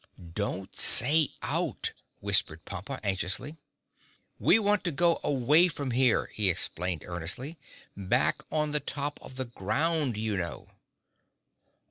"Don't say out," whispered Pompa anxiously. "We want to go away from here," he explained earnestly. "Back on the top of the ground, you know."